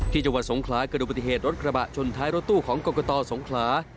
ที่จังหวัดสงขลาเกิดอุบัติเหตุรถกระบะชนท้ายรถตู้ของกกตสงขลา